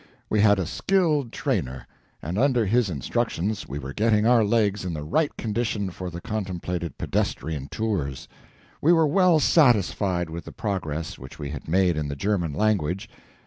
We had a skilled trainer, and under his instructions we were getting our legs in the right condition for the contemplated pedestrian tours; we were well satisfied with the progress which we had made in the German language, [1.